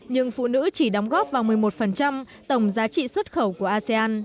nhưng phụ nữ chỉ đóng góp vào một mươi một tổng giá trị sống